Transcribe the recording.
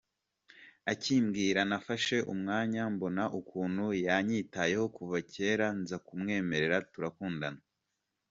Akibimbwira nafashe umwanya mbona ukuntu yanyitayeho kuva cyera nza kumwemerera turakundana.